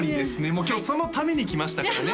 もう今日そのために来ましたからね